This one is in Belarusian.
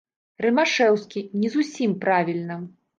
Рымашэўскі, не зусім правільна.